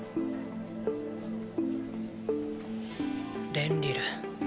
レンリル。